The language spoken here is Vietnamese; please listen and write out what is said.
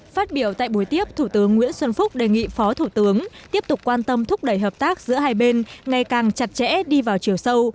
phát biểu tại buổi tiếp thủ tướng nguyễn xuân phúc đề nghị phó thủ tướng tiếp tục quan tâm thúc đẩy hợp tác giữa hai bên ngày càng chặt chẽ đi vào chiều sâu